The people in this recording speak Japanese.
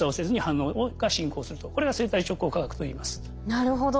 なるほど。